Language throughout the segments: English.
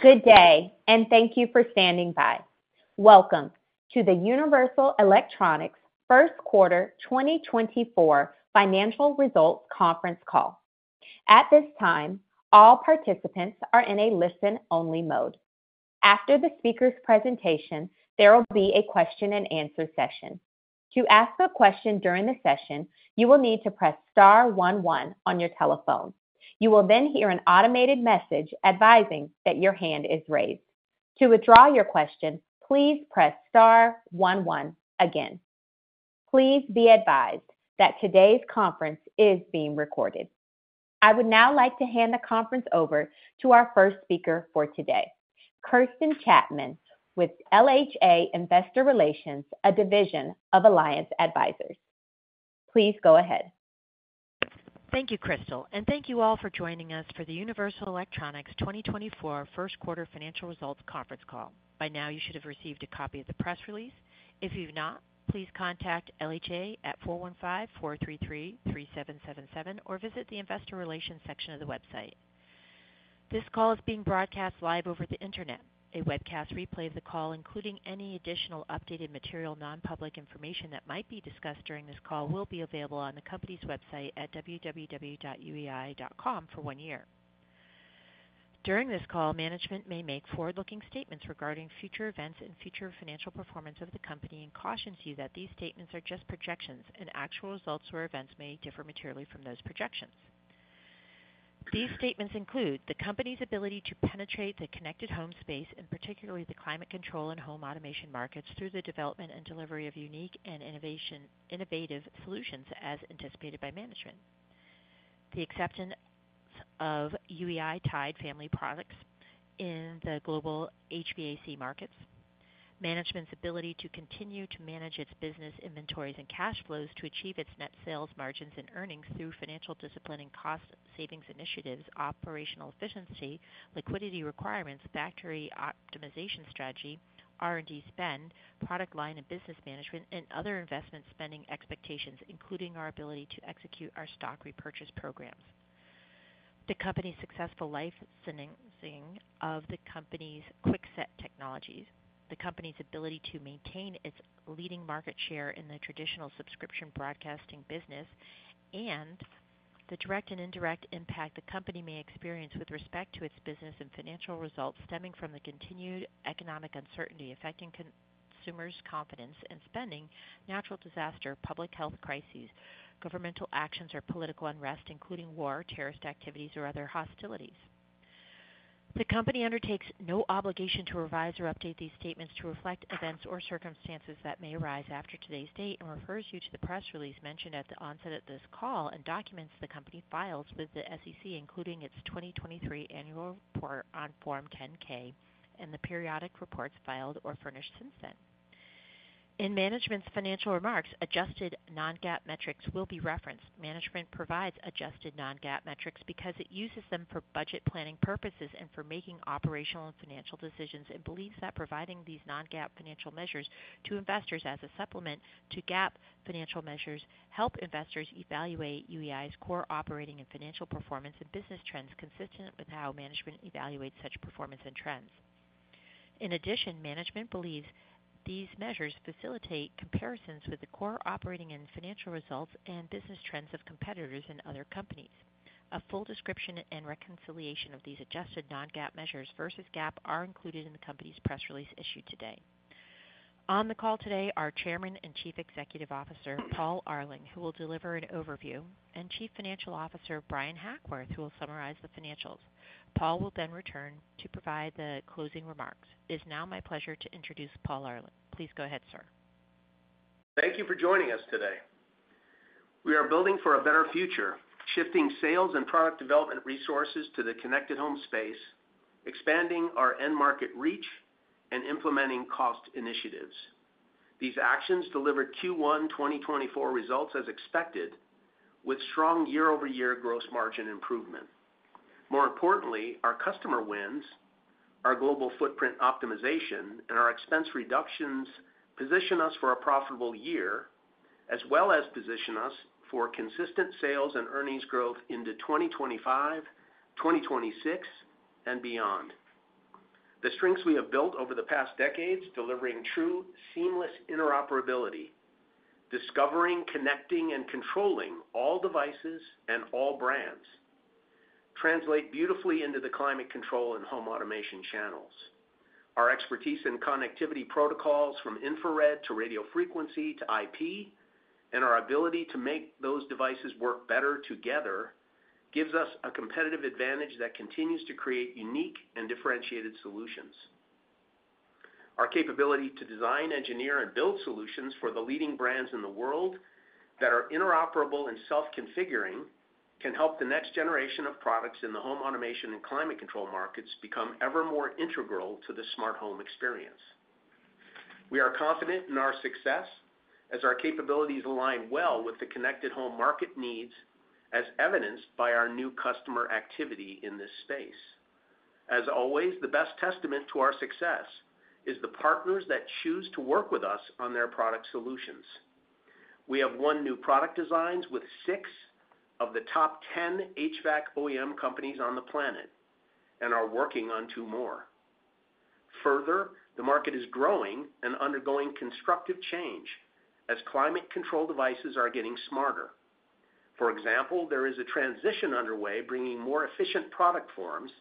Good day, and thank you for standing by. Welcome to the Universal Electronics first quarter 2024 financial results conference call. At this time, all participants are in a listen-only mode. After the speaker's presentation, there will be a question-and-answer session. To ask a question during the session, you will need to press star one one on your telephone. You will then hear an automated message advising that your hand is raised. To withdraw your question, please press star one one again. Please be advised that today's conference is being recorded. I would now like to hand the conference over to our first speaker for today, Kirsten Chapman, with LHA Investor Relations, a division of Alliance Advisors. Please go ahead. Thank you, Crystal, and thank you all for joining us for the Universal Electronics 2024 first quarter financial results conference call. By now, you should have received a copy of the press release. If you've not, please contact LHA at four one five, four three three, three seven seven seven or visit the Investor Relations section of the website. This call is being broadcast live over the internet. A webcast replay of the call, including any additional updated material, nonpublic information that might be discussed during this call, will be available on the company's website at www.uei.com for one year. During this call, management may make forward-looking statements regarding future events and future financial performance of the company and cautions you that these statements are just projections and actual results or events may differ materially from those projections. These statements include the company's ability to penetrate the connected home space, and particularly the climate control and home automation markets, through the development and delivery of unique and innovative solutions as anticipated by management. The acceptance of TIDE family products in the global HVAC markets. Management's ability to continue to manage its business inventories and cash flows to achieve its net sales margins and earnings through financial discipline and cost-savings initiatives, operational efficiency, liquidity requirements, factory optimization strategy, R&D spend, product line and business management, and other investment spending expectations, including our ability to execute our stock repurchase programs. The company's successful licensing of the company's QuickSet technologies. The company's ability to maintain its leading market share in the traditional subscription broadcasting business. The direct and indirect impact the company may experience with respect to its business and financial results stemming from the continued economic uncertainty affecting consumers' confidence in spending, natural disaster, public health crises, governmental actions, or political unrest, including war, terrorist activities, or other hostilities. The company undertakes no obligation to revise or update these statements to reflect events or circumstances that may arise after today's date and refers you to the press release mentioned at the onset of this call and documents the company files with the SEC, including its 2023 annual report on Form 10-K and the periodic reports filed or furnished since then. In management's financial remarks, adjusted non-GAAP metrics will be referenced. Management provides adjusted non-GAAP metrics because it uses them for budget planning purposes and for making operational and financial decisions and believes that providing these non-GAAP financial measures to investors as a supplement to GAAP financial measures help investors evaluate UEI's core operating and financial performance and business trends consistent with how management evaluates such performance and trends. In addition, management believes these measures facilitate comparisons with the core operating and financial results and business trends of competitors and other companies. A full description and reconciliation of these adjusted non-GAAP measures versus GAAP are included in the company's press release issued today. On the call today are Chairman and Chief Executive Officer Paul Arling, who will deliver an overview, and Chief Financial Officer Bryan Hackworth, who will summarize the financials. Paul will then return to provide the closing remarks. It is now my pleasure to introduce Paul Arling. Please go ahead, sir. Thank you for joining us today. We are building for a better future, shifting sales and product development resources to the connected home space, expanding our end-market reach, and implementing cost initiatives. These actions delivered Q1 2024 results as expected, with strong year-over-year gross margin improvement. More importantly, our customer wins, our global footprint optimization, and our expense reductions position us for a profitable year, as well as position us for consistent sales and earnings growth into 2025, 2026, and beyond. The strengths we have built over the past decades, delivering true, seamless interoperability, discovering, connecting, and controlling all devices and all brands, translate beautifully into the climate control and home automation channels. Our expertise in connectivity protocols from infrared to radio frequency to IP, and our ability to make those devices work better together gives us a competitive advantage that continues to create unique and differentiated solutions. Our capability to design, engineer, and build solutions for the leading brands in the world that are interoperable and self-configuring can help the next generation of products in the home automation and climate control markets become ever more integral to the smart home experience. We are confident in our success as our capabilities align well with the connected home market needs, as evidenced by our new customer activity in this space. As always, the best testament to our success is the partners that choose to work with us on their product solutions. We have won new product designs with 6 of the top 10 HVAC OEM companies on the planet and are working on two more. Further, the market is growing and undergoing constructive change as climate control devices are getting smarter. For example, there is a transition underway bringing more efficient product forms,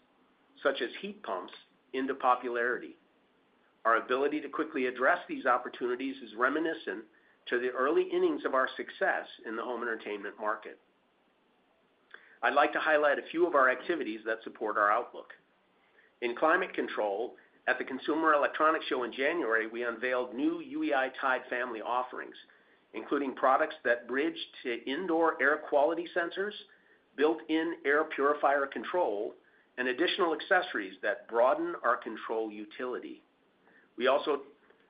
such as heat pumps, into popularity. Our ability to quickly address these opportunities is reminiscent to the early innings of our success in the home entertainment market. I'd like to highlight a few of our activities that support our outlook. In climate control, at the Consumer Electronics Show in January, we unveiled new TIDE family offerings, including products that bridge to indoor air quality sensors, built-in air purifier control, and additional accessories that broaden our control utility. We also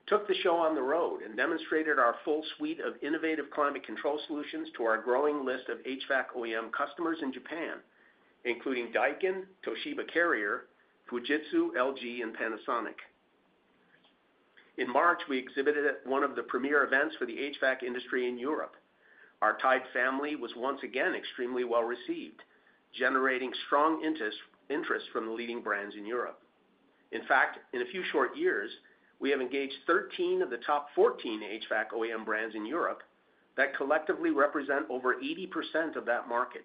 took the show on the road and demonstrated our full suite of innovative climate control solutions to our growing list of HVAC OEM customers in Japan, including Daikin, Toshiba Carrier, Fujitsu, LG, and Panasonic. In March, we exhibited at one of the premier events for the HVAC industry in Europe. Our TIDE family was once again extremely well-received, generating strong interest from the leading brands in Europe. In fact, in a few short years, we have engaged 13 of the top 14 HVAC OEM brands in Europe that collectively represent over 80% of that market.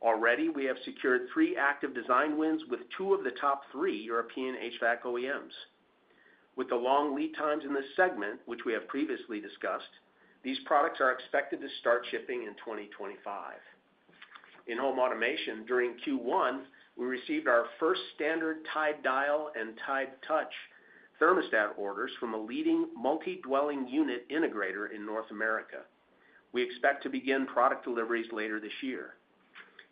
Already, we have secured three active design wins with two of the top three European HVAC OEMs. With the long lead times in this segment, which we have previously discussed, these products are expected to start shipping in 2025. In home automation, during Q1, we received our first standard TIDE Dial and TIDE Touch thermostat orders from a leading multi-dwelling unit integrator in North America. We expect to begin product deliveries later this year.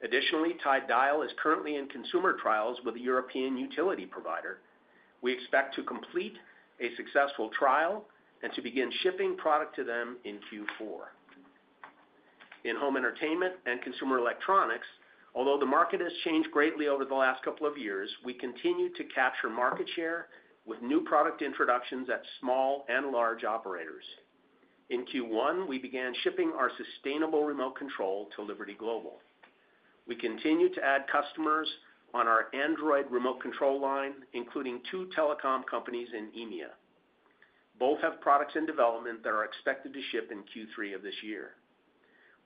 Additionally, TIDE Dial is currently in consumer trials with a European utility provider. We expect to complete a successful trial and to begin shipping product to them in Q4. In home entertainment and consumer electronics, although the market has changed greatly over the last couple of years, we continue to capture market share with new product introductions at small and large operators. In Q1, we began shipping our sustainable remote control to Liberty Global. We continue to add customers on our Android remote control line, including two telecom companies in EMEA. Both have products in development that are expected to ship in Q3 of this year.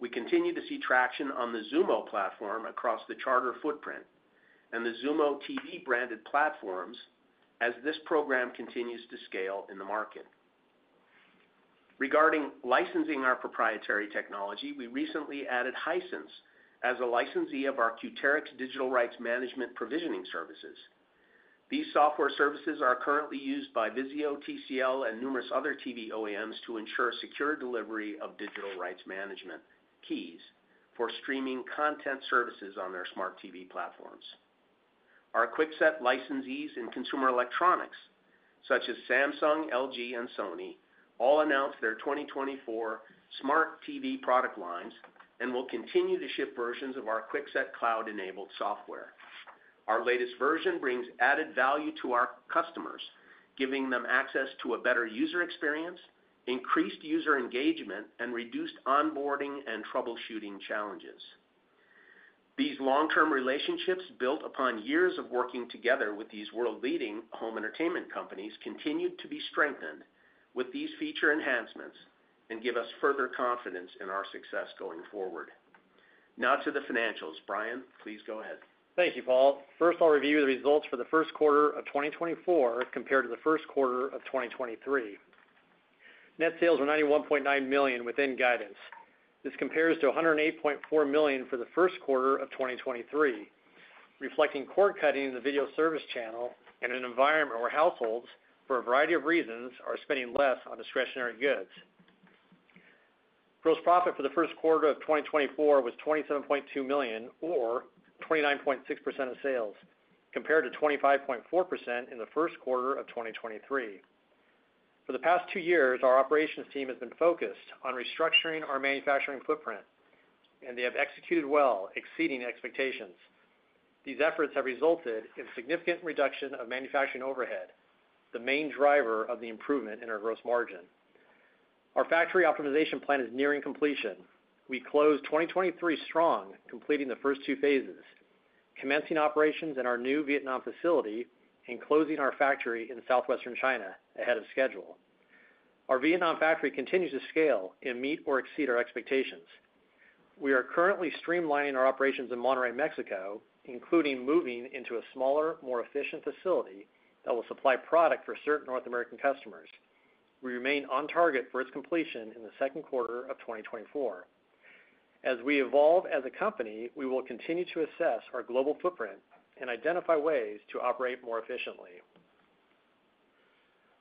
We continue to see traction on the Xumo platform across the Charter footprint and the Xumo TV branded platforms as this program continues to scale in the market. Regarding licensing our proprietary technology, we recently added Hisense as a licensee of our Qteryx Digital Rights Management Provisioning Services. These software services are currently used by VIZIO, TCL, and numerous other TV OEMs to ensure secure delivery of Digital Rights Management keys for streaming content services on their smart TV platforms. Our QuickSet licensees in consumer electronics, such as Samsung, LG, and Sony, all announced their 2024 smart TV product lines and will continue to ship versions of our QuickSet Cloud-enabled software. Our latest version brings added value to our customers, giving them access to a better user experience, increased user engagement, and reduced onboarding and troubleshooting challenges. These long-term relationships built upon years of working together with these world-leading home entertainment companies continue to be strengthened with these feature enhancements and give us further confidence in our success going forward. Now to the financials. Bryan, please go ahead. Thank you, Paul. First, I'll review the results for the first quarter of 2024 compared to the first quarter of 2023. Net sales were $91.9 million within guidance. This compares to $108.4 million for the first quarter of 2023, reflecting cord cutting in the video service channel and an environment where households, for a variety of reasons, are spending less on discretionary goods. Gross profit for the first quarter of 2024 was $27.2 million or 29.6% of sales, compared to 25.4% in the first quarter of 2023. For the past two years, our operations team has been focused on restructuring our manufacturing footprint, and they have executed well, exceeding expectations. These efforts have resulted in significant reduction of manufacturing overhead, the main driver of the improvement in our gross margin. Our factory optimization plan is nearing completion. We closed 2023 strong, completing the first two phases, commencing operations in our new Vietnam facility, and closing our factory in southwestern China ahead of schedule. Our Vietnam factory continues to scale and meet or exceed our expectations. We are currently streamlining our operations in Monterrey, Mexico, including moving into a smaller, more efficient facility that will supply product for certain North American customers. We remain on target for its completion in the second quarter of 2024. As we evolve as a company, we will continue to assess our global footprint and identify ways to operate more efficiently.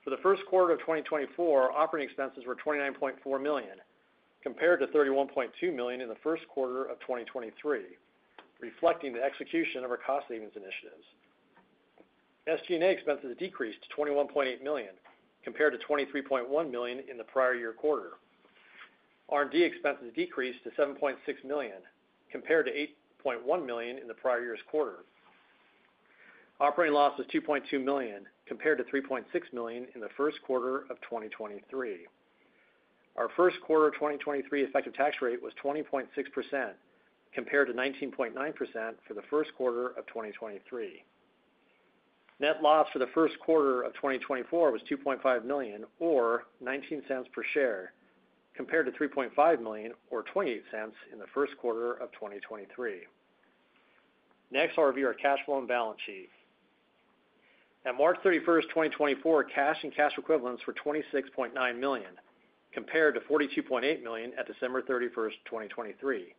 For the first quarter of 2024, operating expenses were $29.4 million, compared to $31.2 million in the first quarter of 2023, reflecting the execution of our cost savings initiatives. SG&A expenses decreased to $21.8 million, compared to $23.1 million in the prior year quarter. R&D expenses decreased to $7.6 million, compared to $8.1 million in the prior year's quarter. Operating loss was $2.2 million, compared to $3.6 million in the first quarter of 2023. Our first quarter 2023 effective tax rate was 20.6%, compared to 19.9% for the first quarter of 2023. Net loss for the first quarter of 2024 was $2.5 million or $0.19 per share, compared to $3.5 million or $0.28 in the first quarter of 2023. Next, I'll review our cash flow and balance sheet. At March 31, 2024, cash and cash equivalents were $26.9 million, compared to $42.8 million at December 31, 2023.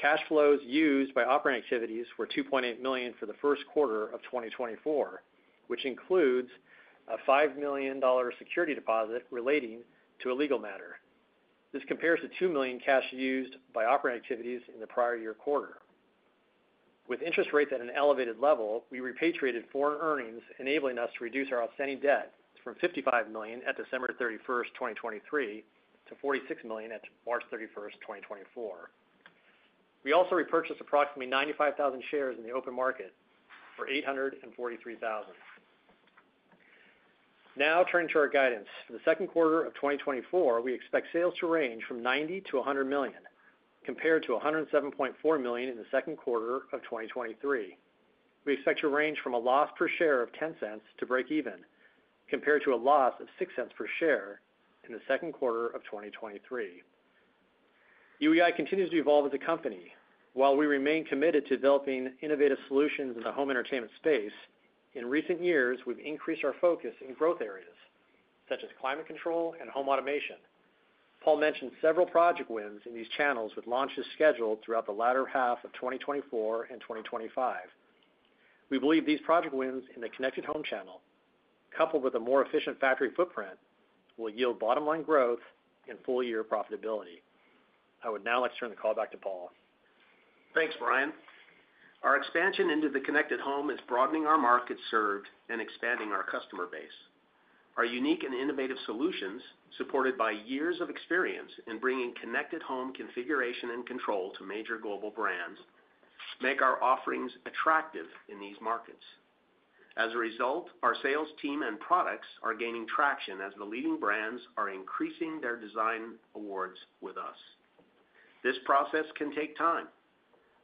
Cash flows used by operating activities were $2.8 million for the first quarter of 2024, which includes a $5 million security deposit relating to a legal matter. This compares to $2 million cash used by operating activities in the prior year quarter. With interest rates at an elevated level, we repatriated foreign earnings, enabling us to reduce our outstanding debt from $55 million at December 31, 2023, to $46 million at March 31, 2024. We also repurchased approximately 95,000 shares in the open market for $843,000. Now turning to our guidance. For the second quarter of 2024, we expect sales to range from $90 million-$100 million, compared to $107.4 million in the second quarter of 2023. We expect to range from a loss per share of $0.10 to break even, compared to a loss of $0.06 per share in the second quarter of 2023. UEI continues to evolve as a company. While we remain committed to developing innovative solutions in the home entertainment space, in recent years, we've increased our focus in growth areas, such as climate control and home automation. Paul mentioned several project wins in these channels with launches scheduled throughout the latter half of 2024 and 2025. We believe these project wins in the connected home channel, coupled with a more efficient factory footprint, will yield bottom-line growth and full-year profitability. I would now like to turn the call back to Paul. Thanks, Bryan. Our expansion into the connected home is broadening our market served and expanding our customer base. Our unique and innovative solutions, supported by years of experience in bringing connected home configuration and control to major global brands, make our offerings attractive in these markets. As a result, our sales team and products are gaining traction as the leading brands are increasing their design awards with us. This process can take time,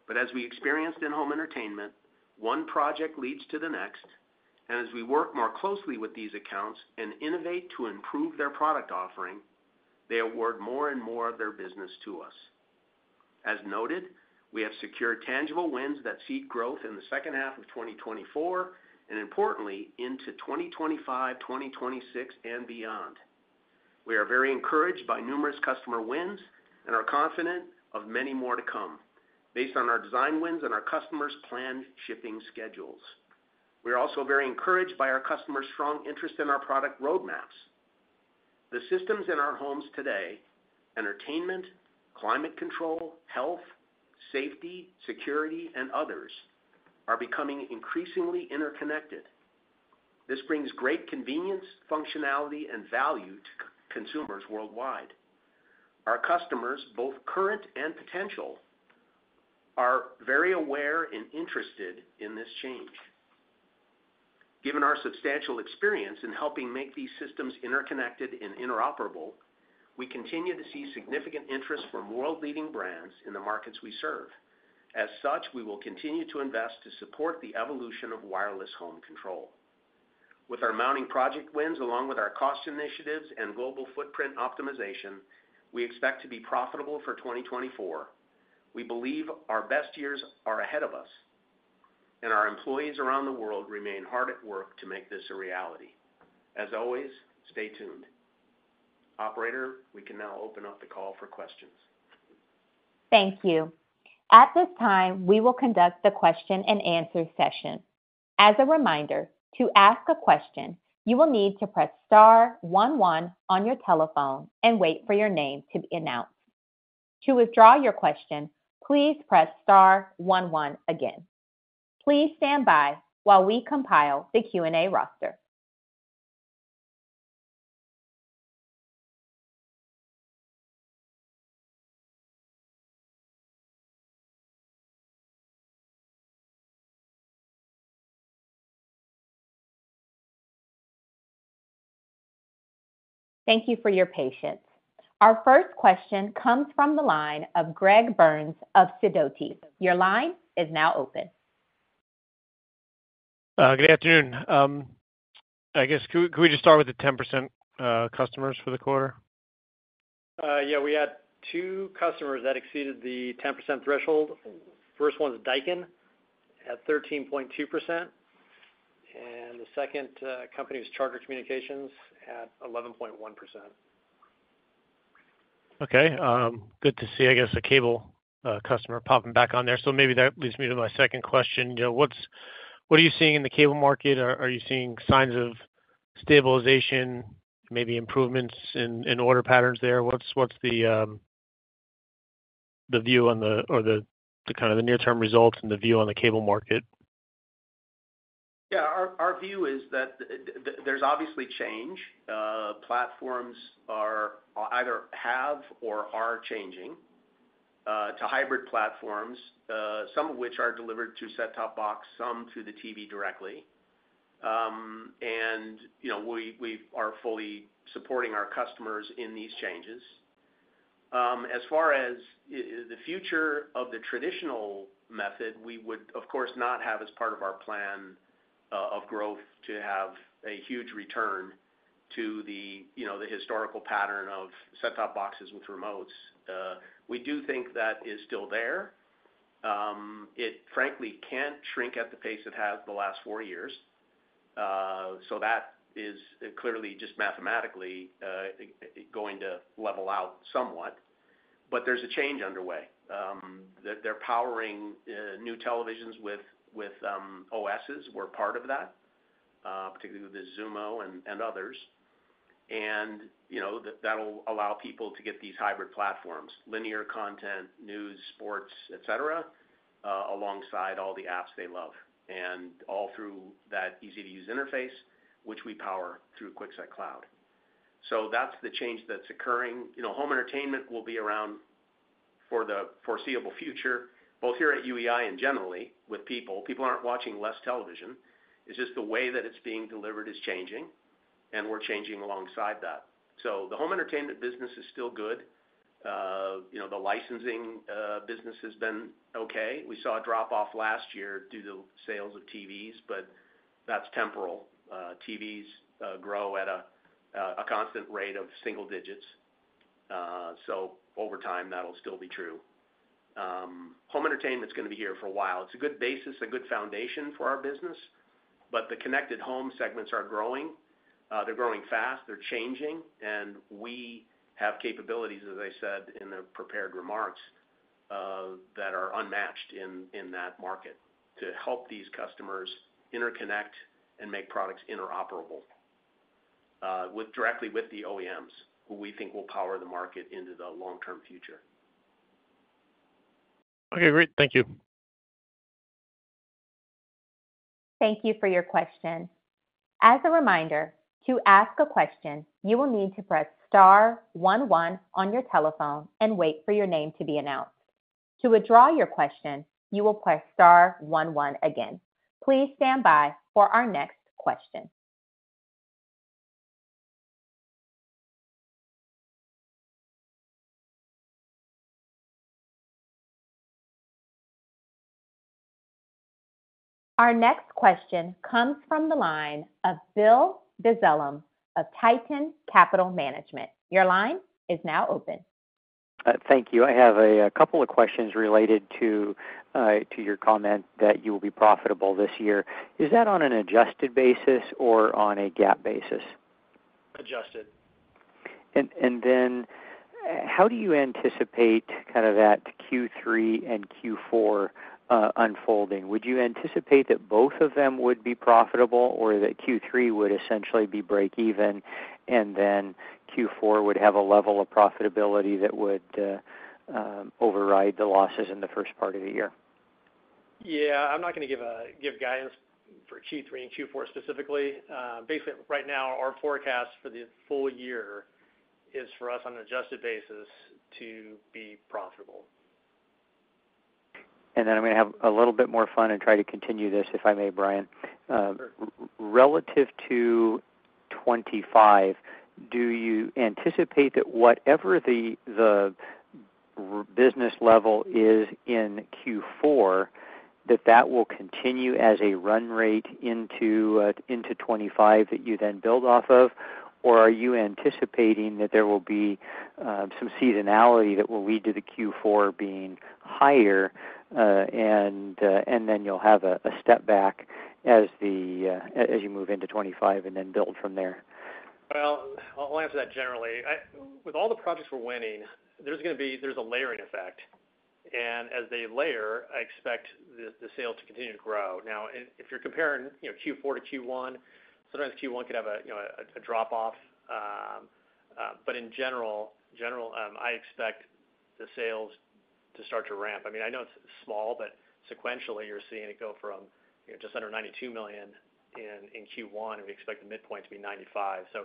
but as we experienced in home entertainment, one project leads to the next, and as we work more closely with these accounts and innovate to improve their product offering, they award more and more of their business to us. As noted, we have secured tangible wins that seek growth in the second half of 2024 and, importantly, into 2025, 2026, and beyond. We are very encouraged by numerous customer wins and are confident of many more to come based on our design wins and our customers' planned shipping schedules. We are also very encouraged by our customers' strong interest in our product roadmaps. The systems in our homes today (entertainment, climate control, health, safety, security, and others) are becoming increasingly interconnected. This brings great convenience, functionality, and value to consumers worldwide. Our customers, both current and potential, are very aware and interested in this change. Given our substantial experience in helping make these systems interconnected and interoperable, we continue to see significant interest from world-leading brands in the markets we serve. As such, we will continue to invest to support the evolution of wireless home control. With our mounting project wins, along with our cost initiatives and global footprint optimization, we expect to be profitable for 2024. We believe our best years are ahead of us, and our employees around the world remain hard at work to make this a reality. As always, stay tuned. Operator, we can now open up the call for questions. Thank you. At this time, we will conduct the question-and-answer session. As a reminder, to ask a question, you will need to press star one one on your telephone and wait for your name to be announced. To withdraw your question, please press star one one again. Please stand by while we compile the Q&A roster. Thank you for your patience. Our first question comes from the line of Greg Burns of Sidoti. Your line is now open. Good afternoon. I guess, could we just start with the 10% customers for the quarter? Yeah. We had two customers that exceeded the 10% threshold. The first one is Daikin at 13.2%, and the second company was Charter Communications at 11.1%. Okay. Good to see, I guess, a cable customer popping back on there. So maybe that leads me to my second question. What are you seeing in the cable market? Are you seeing signs of stabilization, maybe improvements in order patterns there? What's the view on the, or the kind of, the near-term results and the view on the cable market? Yeah. Our view is that there's obviously change. Platforms either have or are changing to hybrid platforms, some of which are delivered to set-top box, some to the TV directly. And we are fully supporting our customers in these changes. As far as the future of the traditional method, we would, of course, not have as part of our plan of growth to have a huge return to the historical pattern of set-top boxes with remotes. We do think that is still there. It, frankly, can't shrink at the pace it has the last four years. So that is clearly just mathematically going to level out somewhat. But there's a change underway. They're powering new televisions with OSs. We're part of that, particularly with the Xumo and others. That'll allow people to get these hybrid platforms (linear content, news, sports, etc.) alongside all the apps they love, and all through that easy-to-use interface, which we power through QuickSet Cloud. So that's the change that's occurring. Home entertainment will be around for the foreseeable future, both here at UEI and generally with people. People aren't watching less television. It's just the way that it's being delivered is changing, and we're changing alongside that. So the home entertainment business is still good. The licensing business has been okay. We saw a drop-off last year due to sales of TVs, but that's temporal. TVs grow at a constant rate of single digits. So over time, that'll still be true. Home entertainment's going to be here for a while. It's a good basis, a good foundation for our business. But the connected home segments are growing. They're growing fast. They're changing. We have capabilities, as I said in the prepared remarks, that are unmatched in that market to help these customers interconnect and make products interoperable directly with the OEMs, who we think will power the market into the long-term future. Okay. Great. Thank you. Thank you for your question. As a reminder, to ask a question, you will need to press star one one on your telephone and wait for your name to be announced. To withdraw your question, you will press star one one again. Please stand by for our next question. Our next question comes from the line of Bill Dezellem of Tieton Capital Management. Your line is now open. Thank you. I have a couple of questions related to your comment that you will be profitable this year. Is that on an adjusted basis or on a GAAP basis? Adjusted. And then how do you anticipate kind of that Q3 and Q4 unfolding? Would you anticipate that both of them would be profitable or that Q3 would essentially be break-even and then Q4 would have a level of profitability that would override the losses in the first part of the year? Yeah. I'm not going to give guidance for Q3 and Q4 specifically. Basically, right now, our forecast for the full year is for us, on an adjusted basis, to be profitable. And then I'm going to have a little bit more fun and try to continue this, if I may, Bryan. Relative to 2025, do you anticipate that whatever the business level is in Q4, that that will continue as a run rate into 2025 that you then build off of? Or are you anticipating that there will be some seasonality that will lead to the Q4 being higher, and then you'll have a step back as you move into 2025 and then build from there? Well, I'll answer that generally. With all the projects we're winning, there's going to be a layering effect. And as they layer, I expect the sales to continue to grow. Now, if you're comparing Q4 to Q1, sometimes Q1 could have a drop-off. But in general, I expect the sales to start to ramp. I mean, I know it's small, but sequentially, you're seeing it go from just under $92 million in Q1, and we expect the midpoint to be $95 million. So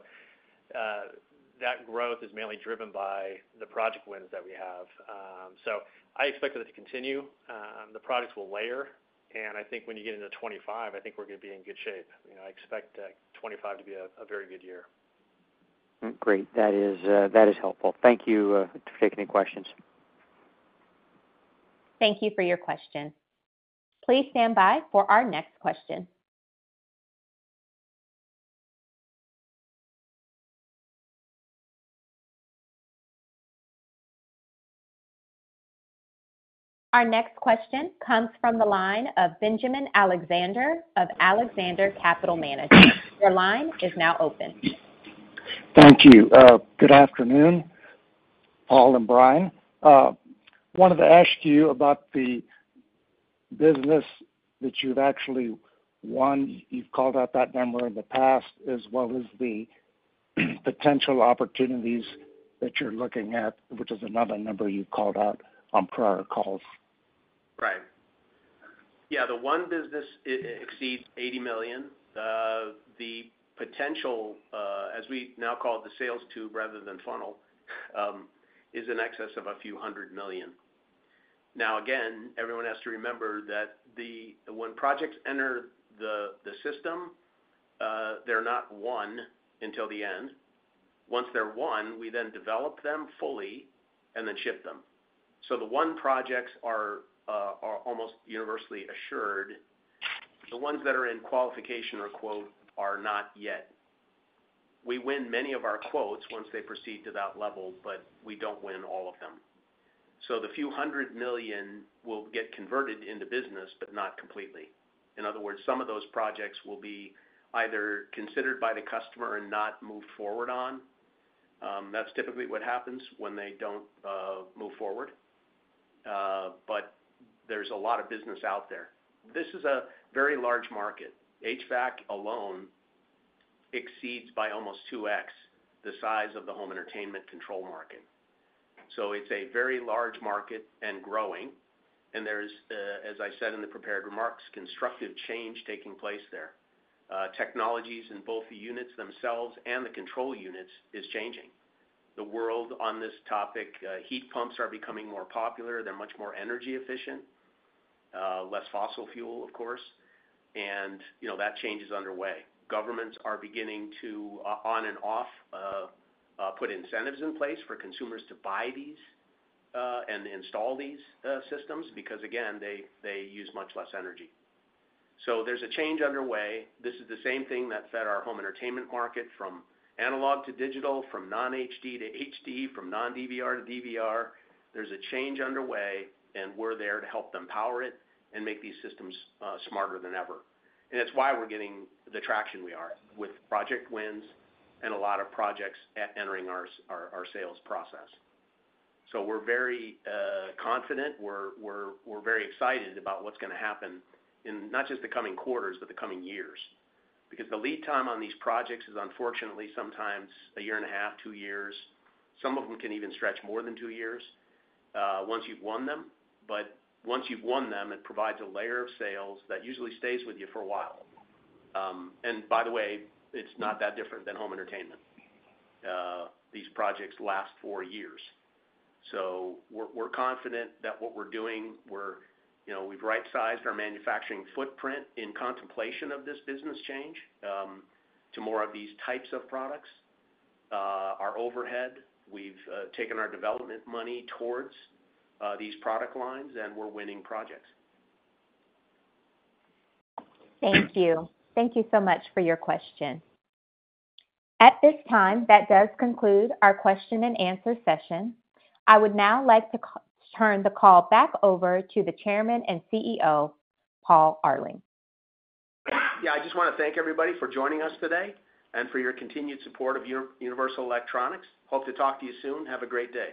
that growth is mainly driven by the project wins that we have. So I expect that to continue. The projects will layer. And I think when you get into 2025, I think we're going to be in good shape. I expect 2025 to be a very good year. Great. That is helpful. Thank you for taking any questions. Thank you for your question. Please stand by for our next question. Our next question comes from the line of Benjamin Alexander of Alexander Capital Management. Your line is now open. Thank you. Good afternoon, Paul and Bryan. Wanted to ask you about the business that you've actually won. You've called out that number in the past, as well as the potential opportunities that you're looking at, which is another number you've called out on prior calls. Right. Yeah. The won business exceeds $80 million. The potential, as we now call it, the sales tube rather than funnel, is in excess of a few hundred million. Now, again, everyone has to remember that when projects enter the system, they're not won until the end. Once they're won, we then develop them fully and then ship them. So the won projects are almost universally assured. The ones that are in qualification or quote are not yet. We win many of our quotes once they proceed to that level, but we don't win all of them. So the few hundred million will get converted into business but not completely. In other words, some of those projects will be either considered by the customer and not moved forward on. That's typically what happens when they don't move forward. But there's a lot of business out there. This is a very large market. HVAC alone exceeds by almost 2x the size of the home entertainment control market. So it's a very large market and growing. And there's, as I said in the prepared remarks, constructive change taking place there. Technologies in both the units themselves and the control units is changing. The world on this topic, heat pumps are becoming more popular. They're much more energy efficient, less fossil fuel, of course. And that change is underway. Governments are beginning to, on and off, put incentives in place for consumers to buy these and install these systems because, again, they use much less energy. So there's a change underway. This is the same thing that fed our home entertainment market, from analog to digital, from non-HD to HD, from non-DVR to DVR. There's a change underway, and we're there to help them power it and make these systems smarter than ever. It's why we're getting the traction we are with project wins and a lot of projects entering our sales process. We're very confident. We're very excited about what's going to happen in not just the coming quarters but the coming years because the lead time on these projects is, unfortunately, sometimes a year and a half, two years. Some of them can even stretch more than two years once you've won them. Once you've won them, it provides a layer of sales that usually stays with you for a while. By the way, it's not that different than home entertainment. These projects last four years. We're confident that what we're doing, we've right-sized our manufacturing footprint in contemplation of this business change to more of these types of products. Our overhead, we've taken our development money towards these product lines, and we're winning projects. Thank you. Thank you so much for your question. At this time, that does conclude our question-and-answer session. I would now like to turn the call back over to the Chairman and CEO, Paul Arling. Yeah. I just want to thank everybody for joining us today and for your continued support of Universal Electronics. Hope to talk to you soon. Have a great day.